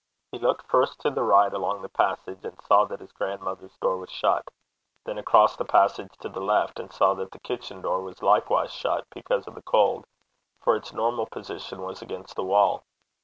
He looked first to the right, along the passage, and saw that his grandmother's door was shut; then across the passage to the left, and saw that the kitchen door was likewise shut, because of the cold, for its normal position was against the wall.